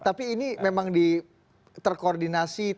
tapi ini memang terkoordinasi